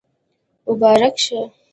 مبارک شه